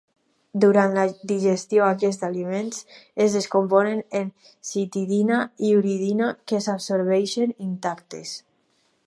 Durant la digestió aquests aliments es descomponen en citidina i uridina que s'absorbeixen intactes.